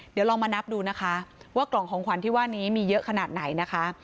เดี๋ยวลองมานับดูนะคะว่ากล่องของขวัญที่ว่านี้มีเยอะขนาดไหนนะคะ